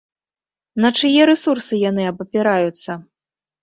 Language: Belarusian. На чые рэсурсы яны абапіраюцца?